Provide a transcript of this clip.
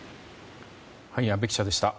阿部記者でした。